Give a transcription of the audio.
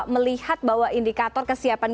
melihat bahwa indikator kesiapan